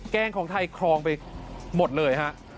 แกงของไทยครองไปหมดเลยฮะ